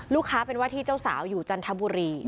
ลูกค้าเป็นว่าที่เจ้าสาวอยู่จันทบุรี